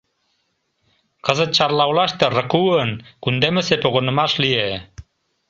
Кызыт Чарла олаште РКУ-ын кундемысе погынымаш лие.